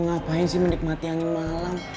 ngapain sih menikmati angin malam